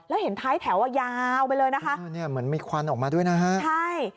แล้วเห็นท้ายแถวอ่ะยาวไปเลยนะคะเหมือนมีควันออกมาด้วยนะฮะใช่